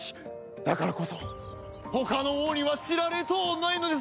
だからこそ他の王には知られとうないのです！